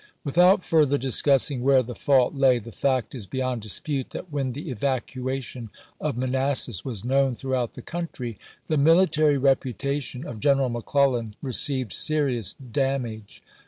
Without further discussing where the fault lay, the fact is beyond dispute that when the evacuation of Manassas was known throughout the country, the mihtary rei:)utation of Greneral McClellan re ceived serious damage.